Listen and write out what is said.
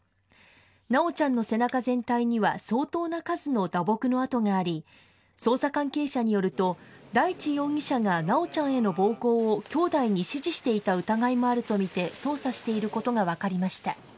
修ちゃんの背中全体には相当な数の打撲の痕があり、捜査関係者によると、大地容疑者が修ちゃんへの暴行を、きょうだいに指示していた疑いもあると見て捜査していることが分かりました。